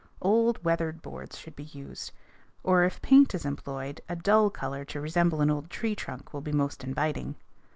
Old, weathered boards should be used; or, if paint is employed, a dull color to resemble an old tree trunk will be most inviting.